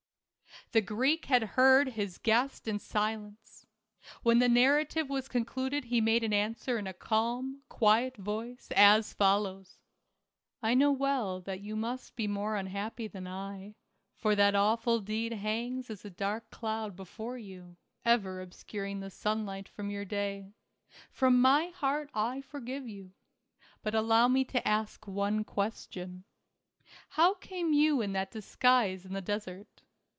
The Greek had heard his guest in silence. When the narrative was concluded he made an THE CAB AVAN. 233 swer in a calm, quiet voice, as follows :" I know well that yon must be more unhappy than I, for that awful deed hangs as a dark cloud before you, ever obscuring the sunlight from your day. From my heart I forgive you. But allow me to ask one question. How came you in that dis guise in the desert